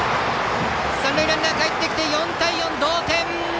三塁ランナーかえってきて４対４の同点！